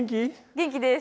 元気です。